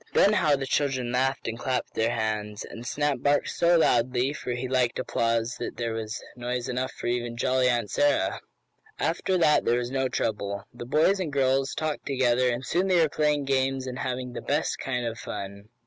Then how the children laughed and clapped their hands! And Snap barked so loudly for he liked applause that there was noise enough for even jolly Aunt Sarah. After that there was no trouble. The boys and girls talked together and soon they were playing games, and having the best kind of fun.